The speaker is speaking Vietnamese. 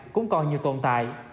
cũng còn nhiều tồn tại